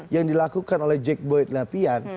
yang dilakukan oleh jack boyd lapian